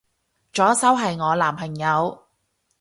左手係我男朋友